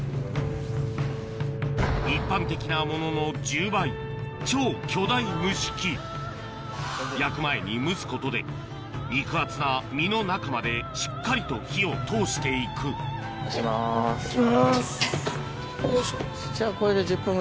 一般的なものの１０倍焼く前に蒸すことで肉厚な身の中までしっかりと火を通していく閉めますよいしょ。